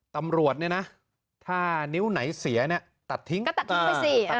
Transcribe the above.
ตำรวจเนี่ยนะถ้านิ้วไหนเสียเนี่ยตัดทิ้งก็ตัดทิ้งไปสิ